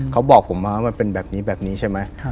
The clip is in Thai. เขาบอกผมมาว่ามันเป็นแบบนี้แบบนี้ใช่ไหม